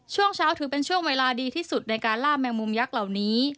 ช่วงเช้าถือเป็นช่วงเวลาดีที่สุดในการล่าแมงมุมยักษ์เหล่านี้